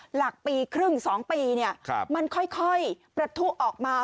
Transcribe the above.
หลักปีครึ่งสองปีเนี่ยครับมันค่อยค่อยประทุออกมา